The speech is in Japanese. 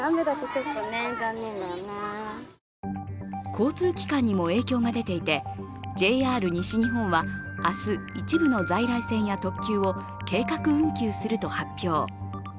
交通機関にも影響が出ていてＪＲ西日本は明日、一部の在来線や特急を計画運休すると発表。